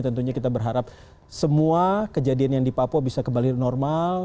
tentunya kita berharap semua kejadian yang di papua bisa kembali normal